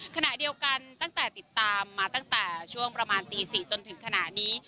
ขณะเดียวกันตั้งแต่ติดตามมาตั้งแต่ช่วงประมาณตี๔จนถึงขณะนี้